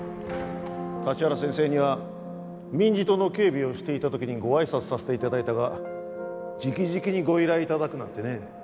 立原先生には民事党の警備をしていた時にご挨拶させて頂いたが直々にご依頼頂くなんてね。